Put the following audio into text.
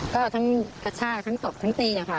ก็ทั้งกระชากทั้งตบทั้งตีค่ะ